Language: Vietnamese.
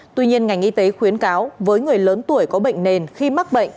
tuy nhiên ngành y tế khuyến cáo với người lớn tuổi có bệnh nền khi mắc bệnh